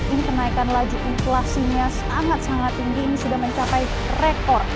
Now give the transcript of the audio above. ini kenaikan laju inflasinya sangat sangat tinggi ini sudah mencapai rekor